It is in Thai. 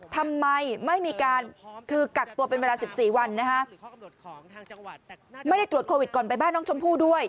ทำไมไม่มีการคือกักตัวเป็นเวลา๑๔วันนะฮะไม่ได้ตรวจโควิดก่อนไปบ้านน้องชมพู่ด้วย